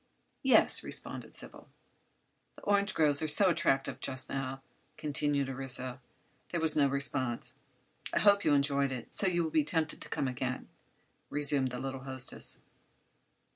"Yes," responded Sybil. "The orange groves are so attractive, just now," continued Orissa. There was no response. "I hope you enjoyed it, so you will be tempted to come again," resumed the little hostess.